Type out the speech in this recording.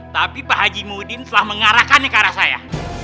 tapi pak haji mudin telah mengarahkannya ke arah saya